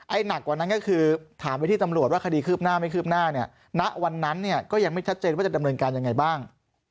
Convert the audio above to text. หนักกว่านั้นก็คือถามไปที่ตำรวจว่าคดีคืบหน้าไม่คืบหน้าเนี่ยณวันนั้นเนี่ยก็ยังไม่ชัดเจนว่าจะดำเนินการยังไงบ้าง